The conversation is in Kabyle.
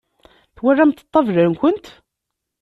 Twalamt ṭṭabla-nkent?